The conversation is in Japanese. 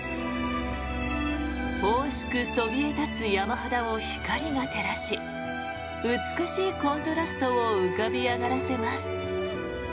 雄々しくそびえ立つ山肌を光が照らし美しいコントラストを浮かび上がらせます。